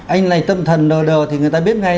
anh này tâm thần đờ đờ thì người ta biết ngay